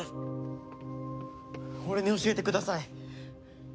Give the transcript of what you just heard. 俺に教えてください！